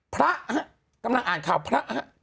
พระฮะกำลังอ่านข่าวพระฮะ